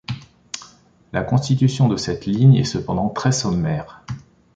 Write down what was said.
La constitution de cette ligne est cependant très sommaire.